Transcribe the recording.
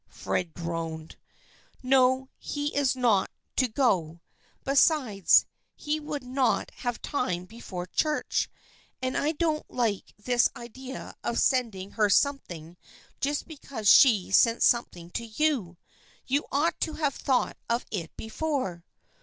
Fred groaned. " No, he is not to go. Besides, he would not have time before church. And I don't like this idea of sending her something just because she sent something to you. You ought to have thought of it before."